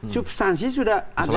substansi sudah ada di dalam